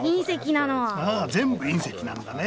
ああ全部隕石なんだね。